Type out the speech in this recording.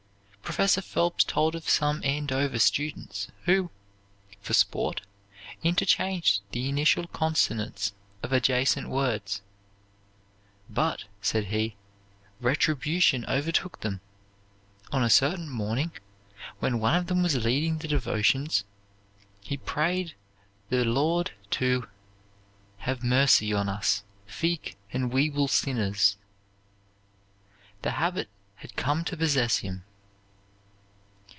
Professor Phelps told of some Andover students, who, for sport, interchanged the initial consonants of adjacent words. "But," said he, "retribution overtook them. On a certain morning, when one of them was leading the devotions, he prayed the Lord to 'have mercy on us, feak and weeble sinners.'" The habit had come to possess him.